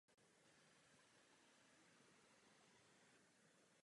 Při hlášení bezpečnostních incidentů platí určitá pravidla.